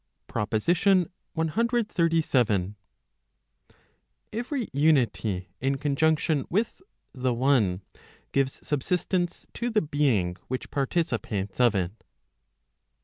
PROPOSITION CXXXVII. Every unity in conjunction with the one gives subsistence to the being which participates of it.